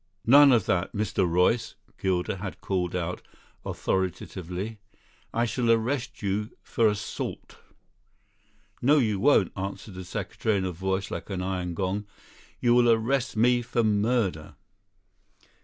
"None of that, Mr. Royce," Gilder had called out authoritatively. "I shall arrest you for assault." "No, you won't," answered the secretary in a voice like an iron gong, "you will arrest me for murder."